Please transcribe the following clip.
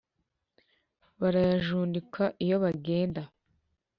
Barayajundika iyo bagenda;